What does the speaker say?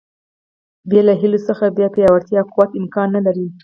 بې له هیلو څخه بیا پیاوړتیا او قوت امکان نه لري.